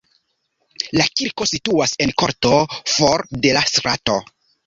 La kirko situas en korto for de la strato.